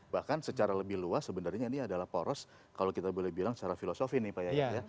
bahkan secara lebih luas sebenarnya ini adalah poros kalau kita boleh bilang secara filosofi nih pak yayat ya